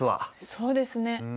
そうですね。